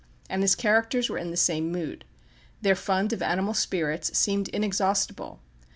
And his characters were in the same mood. Their fund of animal spirits seemed inexhaustible.